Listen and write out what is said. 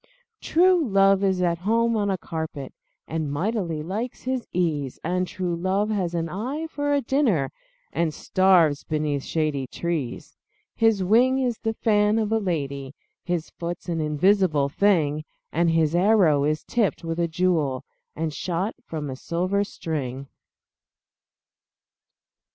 True love is at home on a carpet, And mightily likes his ease And true love has an eye for a dinner, And starves beneath shady trees. His wing is the fan of a lady, His foot's an invisible thing, And his arrow is tipped with a jewel, And shot from a silver string.